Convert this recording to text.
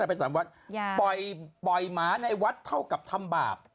ไปสามวัดปล่อยหมาในวัดเท่ากับทำบาป